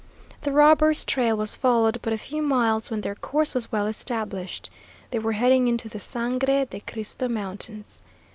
The robbers' trail was followed but a few miles, when their course was well established. They were heading into the Sangre de Cristo Mountains.